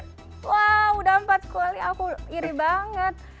wow udah empat kali aku iri banget